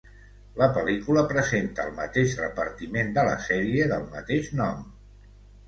La pel·lícula presenta el mateix repartiment de la sèrie del mateix nom.